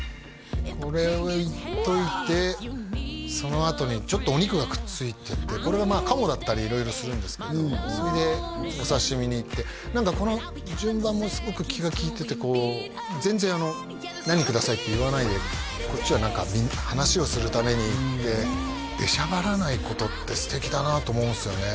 これをいっといてそのあとにちょっとお肉がくっついててこれがカモだったり色々するんですけどそれでお刺身にいってこの順番もすごく気が利いててこう全然「何ください」って言わないでこっちは話をするために行って出しゃばらないことって素敵だなと思うんですよね